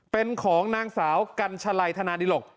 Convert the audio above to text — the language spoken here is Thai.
เป็นของนางสาวกัญชลัยธนาดิหลก